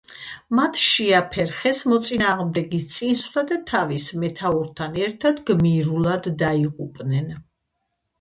მათ შეაფერხეს მოწინააღმდეგის წინსვლა და თავის მეთაურთან ერთად გმირულად დაიღუპნენ.